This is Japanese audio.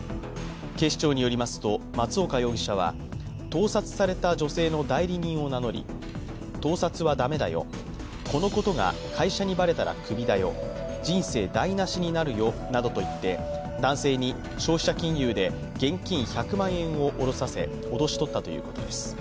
警視庁によりますと、松岡容疑者は盗撮された女性の代理人を名乗り、盗撮は駄目だよ、このことが会社にばれたらクビだよ、人生台なしになるよなどと言って、男性に消費者金融で現金１００万円を下ろさせ脅し取ったということです。